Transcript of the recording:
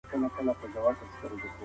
اسلام د اعتدال دين دی.